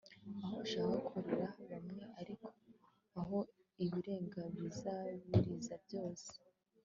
Aho ushaka kurira bamwe ariko aho ibirenga bisabiriza byose